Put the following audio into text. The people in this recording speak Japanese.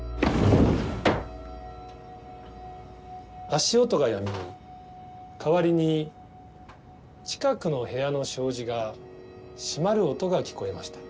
足音がやみ代わりに近くの部屋の障子が閉まる音が聞こえました。